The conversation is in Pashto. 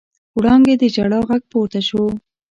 وړانګې د ژړا غږ پورته شو.